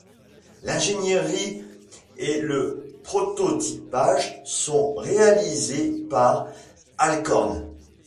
L'ingénierie et le prototypage sont réalisés par Alcorn.